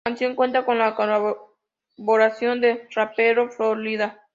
La canción cuenta con la colaboración del rapero Flo Rida.